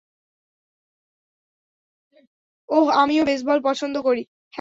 ওহ, আমিও বেসবল পছন্দ করি।